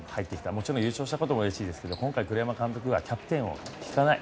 もちろん、優勝した時もですけど今回、栗山監督はキャプテンを敷かない。